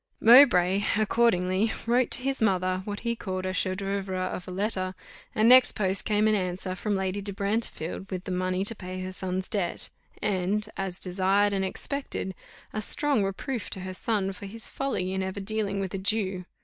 Mowbray, accordingly, wrote to his mother what he called a chef d'oeuvre of a letter, and next post came an answer from Lady de Brantefield with the money to pay her son's debt, and, as desired and expected, a strong reproof to her son for his folly in ever dealing with a Jew.